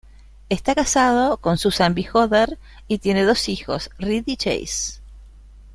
Esta casado con Susan B. Hodder y tiene dos hijos: Reed y Jace.